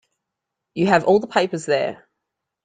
You have all the papers there.